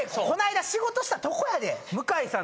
この間仕事したとこやで。